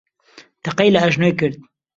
تەقەی لە ئەژنۆی کرد.